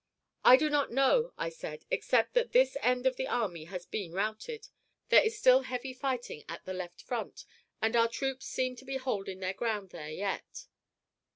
"I do not know," I said, "except that this end of the army has been routed. There is still heavy fighting at the left front, and our troops seem to be holding their ground there yet."